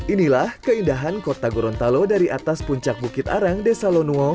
inilah keindahan kota gorontalo dari atas puncak bukit arang desa lonuo